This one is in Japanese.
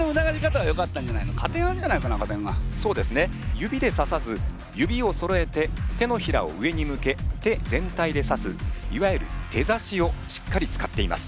指でささず指をそろえて手のひらを上に向け手全体でさすいわゆる手ざしをしっかり使っています。